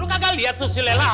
lo kagak lihat tuh si lela